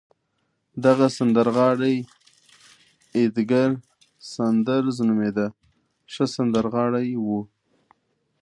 دغه سندرغاړی اېدګر ساندرز نومېده، ښه سندرغاړی و.